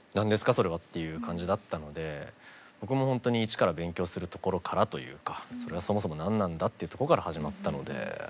それはっていう感じだったので僕もほんとに一から勉強するところからというかそもそも何なんだというところから始まったのでなかなか大変でした。